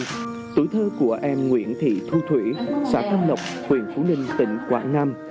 từ tuổi thơ của em nguyễn thị thu thủy xã tâm lộc huyện phú ninh tỉnh quảng nam